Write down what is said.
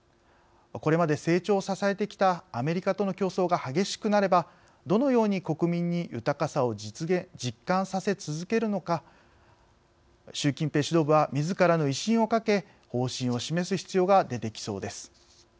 これまで成長を支えてきたアメリカとの競争が激しくなればどのように国民に豊かさを実感させ続けるのか習近平指導部はみずからの威信を懸け方針を示す必要が出てきそうです。